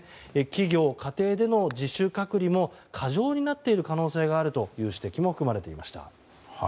企業・家庭での自主隔離も過剰になっている可能性があるという指摘も含まれていました。